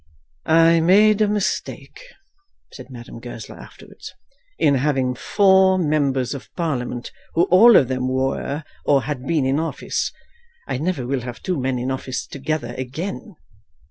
"I made a mistake," said Madame Goesler afterwards, "in having four members of Parliament who all of them were or had been in office. I never will have two men in office together again."